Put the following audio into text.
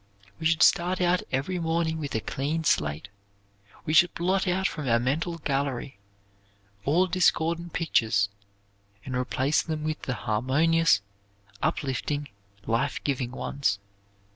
We should start out every morning with a clean slate. We should blot out from our mental gallery all discordant pictures and replace them with the harmonious, uplifting, life giving ones.